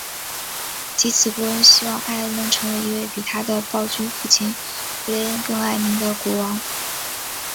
藉此波恩希望艾恩能成为一位比他的暴君父亲弗雷恩更爱民的国王。